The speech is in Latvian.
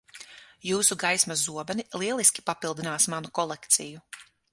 Jūsu gaismas zobeni lieliski papildinās manu kolekciju.